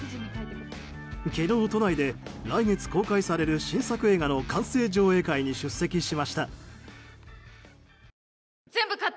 昨日、都内で来月公開される新作映画の完成上映会に出席しました。